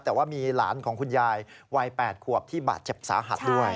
แต่ว่ามีหลานของคุณยายวัย๘ขวบที่บาดเจ็บสาหัสด้วย